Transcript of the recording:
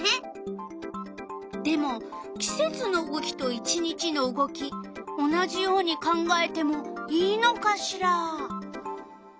でもきせつの動きと一日の動き同じように考えてもいいのかしら？